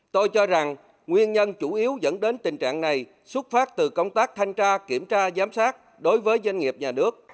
tôi cho rằng nguyên nhân chủ yếu dẫn đến tình trạng này xuất phát từ công tác thanh tra kiểm tra giám sát đối với doanh nghiệp nhà nước